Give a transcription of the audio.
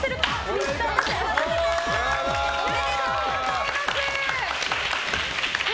おめでとうございます！